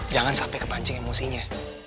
jangan sampai kepancing emosinya